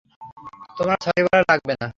তোমার সরি বলা লাগবে না।